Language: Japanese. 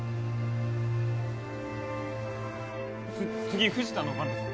次藤田の番だぞ。